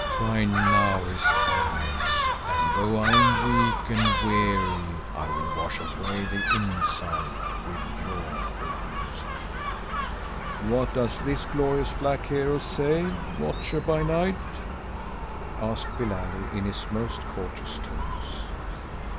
"Find now his axe and though I am weak and weary, I will wash away the insult with your blood." "What does this glorious black hero say, Watcher by Night?" asked Billali in his most courteous tones.